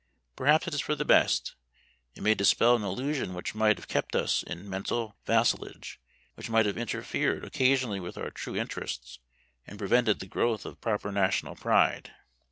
Perhaps it is for the best it may dispel an allusion which might have kept us in mental vassalage; which might have interfered occasionally with our true interests, and prevented the growth of proper national pride.